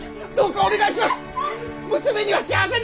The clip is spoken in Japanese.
お願いします！